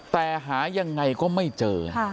แต่หายังไงก็ไม่เจอ